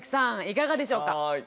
いかがでしょうか？